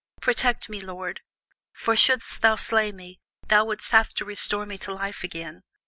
Protect me, lord; for shouldst thou slay me, thou wouldst have to restore me to life again.